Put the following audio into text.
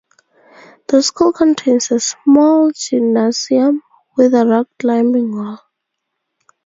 The school contains a small gymnasium with a rock climbing wall.